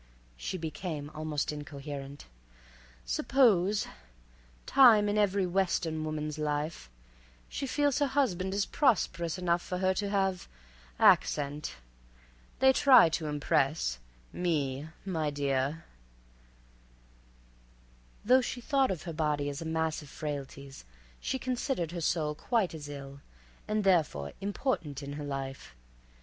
She became almost incoherent—"Suppose—time in every Western woman's life—she feels her husband is prosperous enough for her to have—accent—they try to impress me, my dear—" Though she thought of her body as a mass of frailties, she considered her soul quite as ill, and therefore important in her life.